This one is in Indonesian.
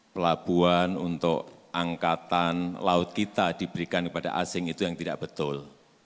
pelabuhan untuk angkatan laut kita diberikan kepada asing itu yang tidak betul